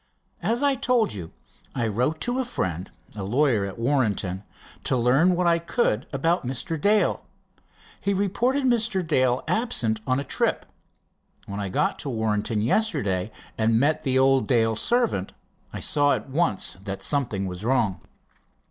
As I told you, I wrote to a friend, a lawyer at Warrenton, to learn what I could about Mr. Dale. He reported Mr. Dale was absent on a trip. When I got to Warrenton yesterday and met the old Dale servant, I saw at once that something was wrong."